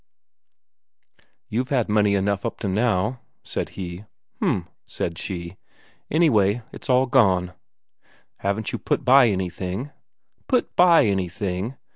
"You've had money enough up to now," said he. "H'm," said she. "Anyway, it's all gone." "Haven't you put by anything?" "Put by anything?